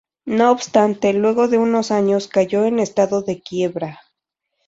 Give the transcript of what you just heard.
No obstante, luego de unos años cayó en estado de quiebra.